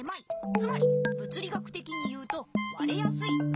つまり物理学てきに言うとわれやすい。